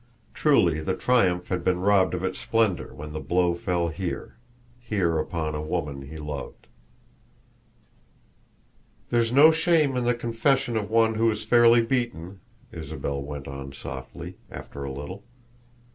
Truly the triumph had been robbed of its splendor when the blow fell here here upon a woman he loved. "There's no shame in the confession of one who is fairly beaten," Isabel went on softly, after a little.